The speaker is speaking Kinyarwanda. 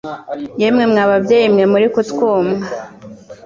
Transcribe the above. yemwe mwababyeyi mwe muri kutwumwa